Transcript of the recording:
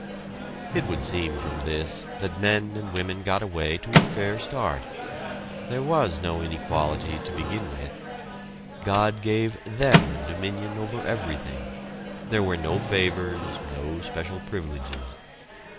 It would seem from this, that men and women got away to a fair start. There was no inequality to begin with. God gave them dominion over everything; there were no favors, no special privileges.